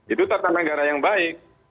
itu tata negara yang baik